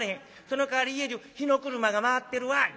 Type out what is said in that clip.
そのかわり家じゅう火の車が回ってるわ。